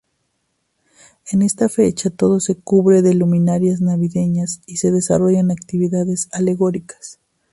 En esta fecha todo se cubre de luminarias navideñas y se desarrollan actividades alegóricas.